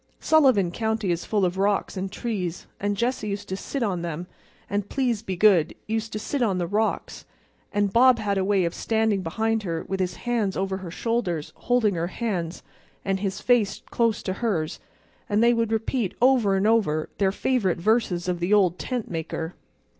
Sullivan County is full of rocks and trees; and Jessie used to sit on them, and—please be good—used to sit on the rocks; and Bob had a way of standing behind her with his hands over her shoulders holding her hands, and his face close to hers, and they would repeat over and over their favorite verses of the old tent maker.